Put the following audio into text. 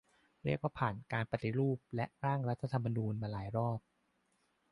เรียกว่าผ่าน "การปฏิรูป" และ "ร่างรัฐธรรมนูญ" มาหลายรอบ